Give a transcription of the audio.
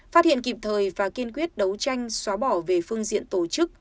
phát hiện kịp thời và kiên quyết đấu tranh xóa bỏ về phương diện tổ chức